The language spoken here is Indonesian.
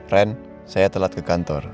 ren saya telat ke kantor